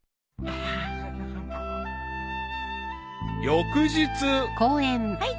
［翌日］はい。